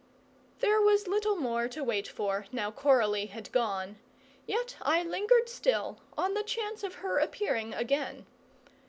There was little more to wait for, now Coralie had gone; yet I lingered still, on the chance of her appearing again.